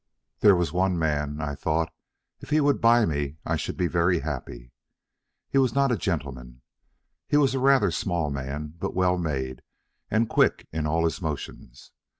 There was one man, I thought, if he would buy me, I should be happy. He was not a gentleman. He was rather a small man, but well made, and quick in all his motions.